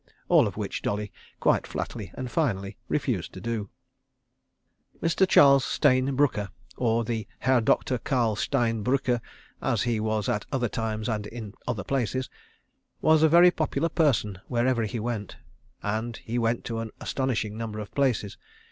All of which Dolly quite flatly and finally refused to do. Mr. Charles Stayne Brooker (or the Herr Doktor Karl Stein Brücker, as he was at other times and in other places) was a very popular person wherever he went—and he went to an astonishing number of places.